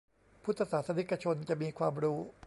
พุทธศาสนิกชนจะมีความรู้